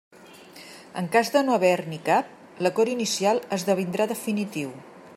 En cas de no haver-n'hi cap, l'acord inicial esdevindrà definitiu.